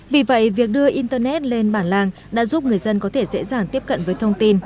vì vậy việc đưa internet lên bản làng đã giúp người dân có thể dễ dàng tiếp cận với thông tin